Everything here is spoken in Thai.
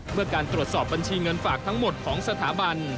เมื่อการตรวจสอบบัญชีเงินฝากทั้งหมดของสถาบัน